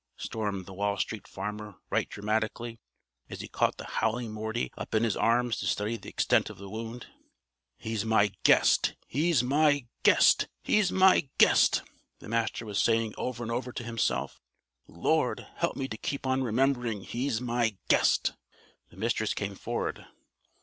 stormed the Wall Street Farmer right dramatically as he caught the howling Morty up in his arms to study the extent of the wound. "He's my guest! He's my guest! HE'S MY GUEST!" the Master was saying over and over to himself. "Lord, help me to keep on remembering he's my GUEST!" The Mistress came forward.